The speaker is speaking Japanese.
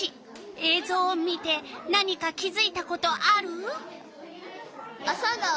えいぞうを見て何か気づいたことある？